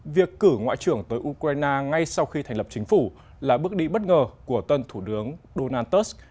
việc cử ngoại trưởng tới ukraine ngay sau khi thành lập chính phủ là bước đi bất ngờ của tân thủ đướng donald tusk